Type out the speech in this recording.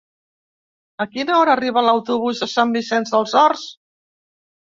A quina hora arriba l'autobús de Sant Vicenç dels Horts?